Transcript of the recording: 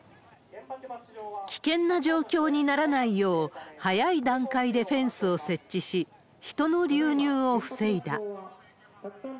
危険な状況にならないよう、早い段階でフェンスを設置し、人の流入を防いだ。